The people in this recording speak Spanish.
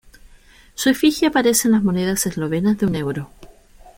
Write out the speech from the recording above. Su efigie aparece en las monedas eslovenas de un euro.